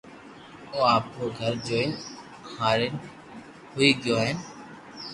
او آپرو گھر جوئين ھآرين ھوئي گيو ھين